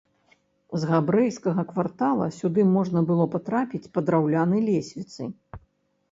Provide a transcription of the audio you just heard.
З габрэйскага квартала сюды можна было патрапіць па драўлянай лесвіцы.